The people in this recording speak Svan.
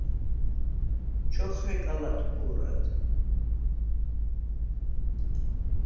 ჩოხრეკა ლატფუ̄რად.